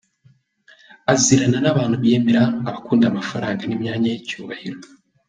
Azirana n’abantu biyemera, abakunda amafaranga n’imyanya y’icyubahiro.